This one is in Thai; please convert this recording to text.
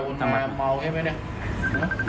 พูดลงไปวนแมวเมาใช่ไหมเนี่ย